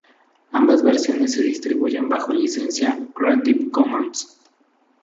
Ambas versiones se distribuyen bajo licencia Creative Commons.